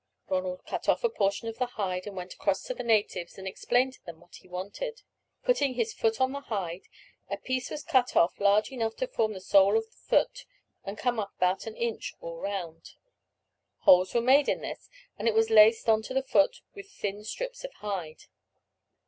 Ronald cut off a portion of the hide, and went across to the natives and explained to them what he wanted. Putting his foot on the hide, a piece was cut off large enough to form the sole of the foot and come up about an inch all round; holes were made in this, and it was laced on to the foot with thin strips of hide.